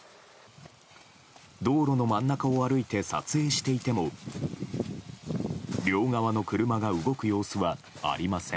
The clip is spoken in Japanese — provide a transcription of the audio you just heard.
道路の真ん中を歩いて撮影していても両側の車が動く様子はありません。